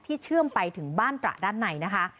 เชื่อมไปถึงบ้านตระด้านในนะคะ